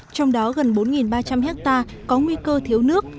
trong đó gần bốn ba trăm linh hectare có nguy cơ thiếu nước